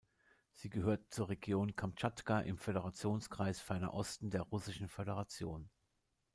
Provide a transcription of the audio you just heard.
Sie gehört zur Region Kamtschatka im Föderationskreis Ferner Osten der Russischen Föderation.